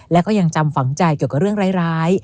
และก็ยังจำฝังใจเกี่ยวกับเรื่องร้าย